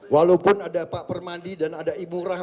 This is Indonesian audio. walaupun ada pak permandi dan ada ibu rahma